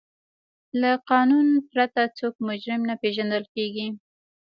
له قانون پرته څوک مجرم نه پیژندل کیږي.